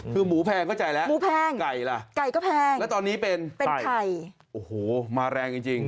คือหมูแพงเข้าใจแล้วไก่ล่ะแล้วตอนนี้เป็นไข่โอ้โหมาแรงจริง